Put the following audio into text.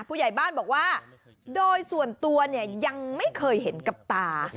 ผู้ใหญ่บ้านบอกว่าโดยส่วนตัวเนี่ยยังไม่เคยเห็นกับตา